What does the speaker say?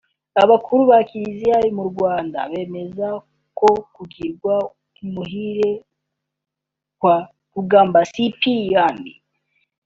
Abakuru ba Kiliziya mu Rwanda bemeza ko kugirwa umuhire kwa Rugamba Cyprien